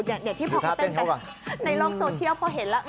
เดี๋ยวที่พอเขาเต้นกันในโลกโซเชียลพอเห็นแล้ว